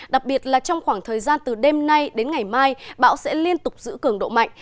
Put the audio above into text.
đặc biệt là trong khoảng thời gian từ đêm nay đến ngày mai bão sẽ liên tục giữ cường độ mạnh